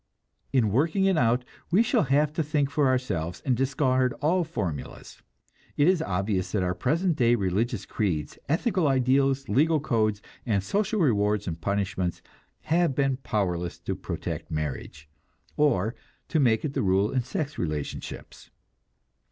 In working it out, we shall have to think for ourselves, and discard all formulas. It is obvious that our present day religious creeds, ethical ideals, legal codes, and social rewards and punishments have been powerless to protect marriage, or to make it the rule in sex relationships.